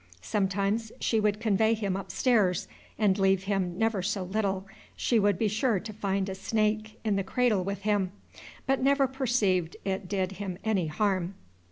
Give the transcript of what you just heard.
Sometimes she would convey him up Stairs, and leave him never so little, she should be sure to find a Snake in the Cradle with him, but never perceived it did him any harm."